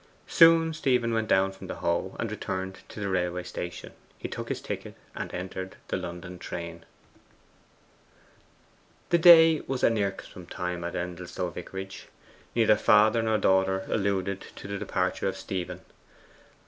Soon Stephen went down from the Hoe, and returned to the railway station. He took his ticket, and entered the London train. That day was an irksome time at Endelstow vicarage. Neither father nor daughter alluded to the departure of Stephen.